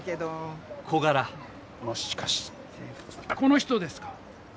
もしかしてこの人ですか？